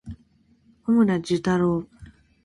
小村寿太郎